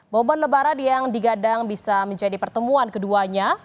momen lebaran yang digadang bisa menjadi pertemuan keduanya